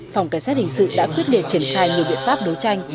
phòng cảnh sát hình sự đã quyết định triển khai nhiều biện pháp đối tranh